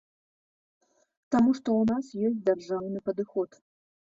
Таму што ў нас ёсць дзяржаўны падыход.